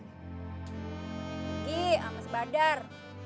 iki sama sepadar